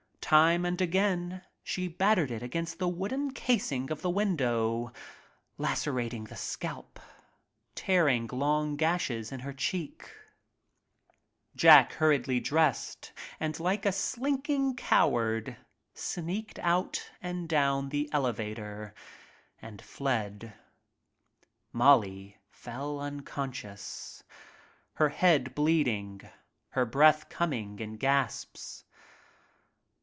Time and again it against the wooden casing of the window, lacerating the scalp, tearing long gashes in her Jack hurriedly dressed and like a slinking cow ard, sneaked out and down the elevator and fled. Molly fell unconscious, her head bleeding, her breath coming in gasps.